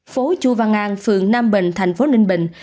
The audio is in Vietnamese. phố chu văn an phường nam bình thành phố ninh bình